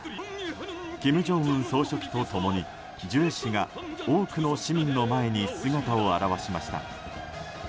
金正恩総書記と共にジュエ氏が多くの市民の前に姿を現しました。